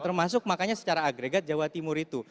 termasuk makanya secara agregat jawa timur itu